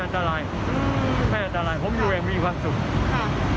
ไม่อันตรายผมอยู่ยังมีความสุข